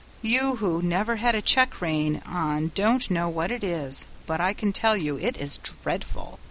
You who never had a check rein on don't know what it is, but I can tell you it is dreadful.